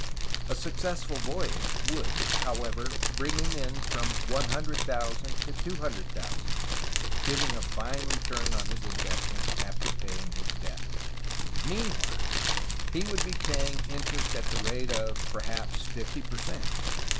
A successful voyage would, however, bring him in from $100,000 to $200,000, giving a fine return on his investment after paying his debt. Meanwhile he would be paying interest at the rate of perhaps 50 per cent.